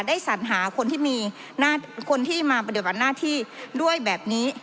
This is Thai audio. สัญหาคนที่มีคนที่มาปฏิบัติหน้าที่ด้วยแบบนี้